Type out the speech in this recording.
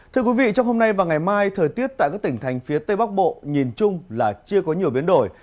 thưa quý vị trong hôm nay và ngày mai thời tiết tại các tỉnh thành phía tây bắc bộ nhìn chung là chưa có nhiều biến đổi